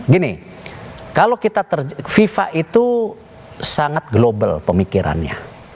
gini kalau kita fifa itu sangat global pemikirannya